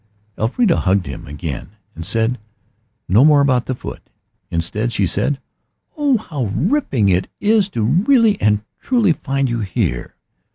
Elfrida hugged him again, and said no more about the foot. Instead, she said, "Oh, how ripping it is to really and truly find you here!